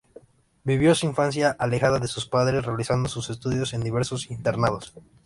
Vivió su infancia alejada de sus padres realizando sus estudios en diversos internados.